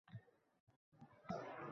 Shu bilan hammamiz uy-uyimizga tarqaldik